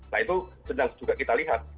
nah itu sedang juga kita lihat